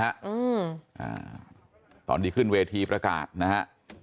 อ่าตอนที่ขึ้นเวทีประกาศนะฮะ